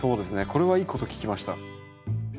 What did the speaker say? これはいいこと聞きました。